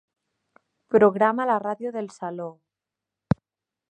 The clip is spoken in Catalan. Programa la ràdio del saló.